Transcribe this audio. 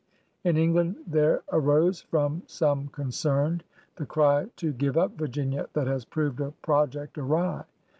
In England there arose, from some concerned, the cry to Give up Virginia that has proved a project awry!